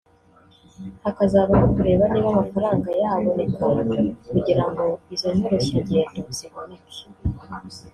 hakazabaho kureba niba amafaranga yaboneka kugira ngo izo nyoroshyangendo ziboneke